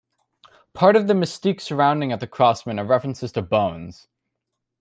Part of the mystique surrounding the Crossmen are references to Bones.